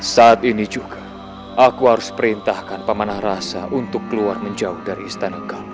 saat ini juga aku harus perintahkan pemanah rasa untuk keluar menjauh dari istana kami